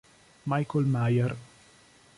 Michael Mayer